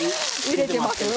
入れてます。